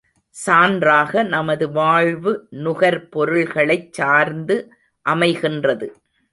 சான்றாக நமது வாழ்வு நுகர் பொருள்களைச் சார்ந்து அமைகின்றது.